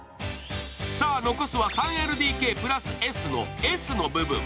さあ残すは３ＬＤＫ＋ＳのＳの部分。